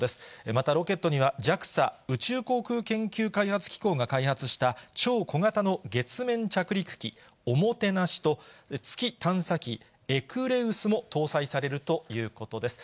またロケットには、ＪＡＸＡ・宇宙航空研究開発機構が開発した超小型の月面着陸機、おもてなしと、月探査機、エクレウスも搭載されるということです。